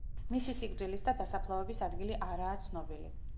მისი სიკვდილის და დასაფლავების ადგილი არაა ცნობილი.